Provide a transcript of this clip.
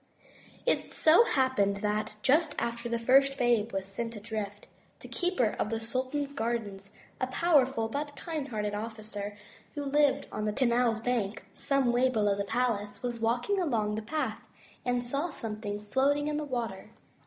It so happened that, just after the first babe was sent adrift, the keeper of the sultan's gardens, a powerful but kind hearted officer, who lived on the canal bank some way below the palace, was walking along the path and saw something floating in the water.